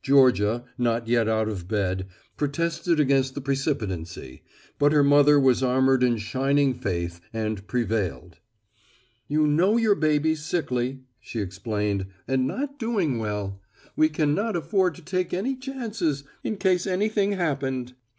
Georgia, not yet out of bed, protested against the precipitancy, but her mother was armored in shining faith and prevailed. "You know your baby's sickly," she explained, "and not doing well. We cannot afford to take any chances in case anything happened."